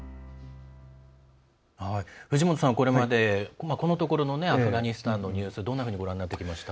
藤本さん、これまでこのところのアフガニスタンのニュース、どんなふうにご覧になってきました？